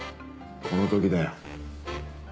この時だよ。